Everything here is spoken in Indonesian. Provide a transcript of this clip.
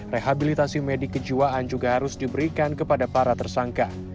rehabilitasi medik kejiwaan juga harus diberikan kepada para tersangka